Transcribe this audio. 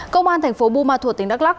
công an tp bumathua tỉnh đắk lắc